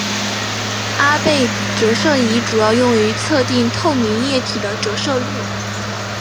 阿贝折射仪主要用于测定透明液体的折射率。